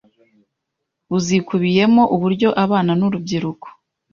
buzikubiyemo uburyo abana n’urubyiruko